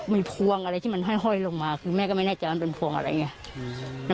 มีพวงอะไรที่มันห้อยลงมาคือแม่ก็ไม่แน่ใจมันเป็นพวงอะไรไง